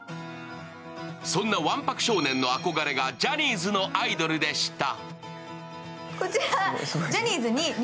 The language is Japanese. そんなわんぱく少年の憧れがジャニーズのアイドルでした。